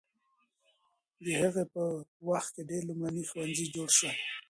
د هغه په وخت کې ډېر لومړني ښوونځي جوړ شول.